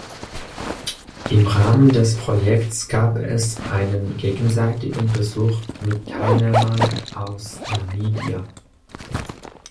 Im Rahmen des Projekts gab es einen gegenseitigen Besuch mit Teilnehmern aus Namibia.